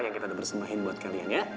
yang kita udah bersembahin buat kalian ya